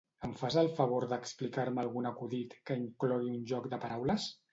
Em fas el favor d'explicar-me algun acudit que inclogui un joc de paraules?